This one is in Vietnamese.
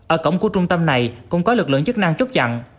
ở cổng của trung tâm này cũng có lực lượng chức năng chốt chặn